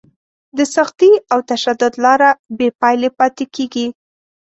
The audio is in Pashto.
د سختي او تشدد لاره بې پایلې پاتې کېږي.